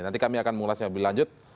nanti kami akan mengulasnya lebih lanjut